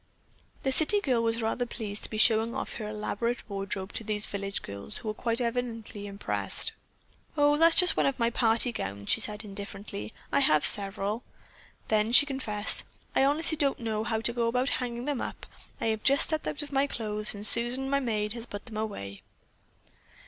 The city girl was rather pleased to be showing off her elaborate wardrobe to these village girls, who were evidently quite impressed. "Oh, that's just one of my party gowns," she said indifferently. "I have several." Then she confessed: "I honestly don't know how to go about hanging them up. I have just stepped out of my clothes and Susan, my maid, has put them away."